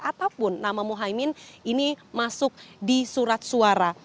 ataupun nama muhaymin ini masuk di surat suara